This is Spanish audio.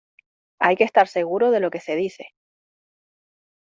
hay que estar seguro de lo que se dice